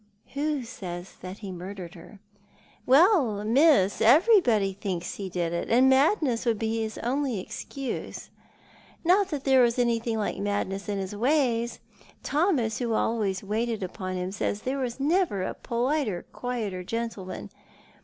" Who says that he murdered her ?"" "Well, miss, everybody thinks he did it, and madness would be his only excuse. Not that there was anything like madness in his ways. Thomas, Avho always V\'aited upon him, says there was never a politer, quieter gentleman.